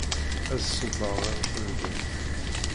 Ad ṣubbeɣ ɣer temdint.